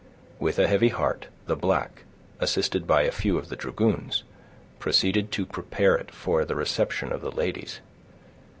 With a heavy heart, the black, assisted by a few of the dragoons, proceeded to prepare it for the reception of the ladies.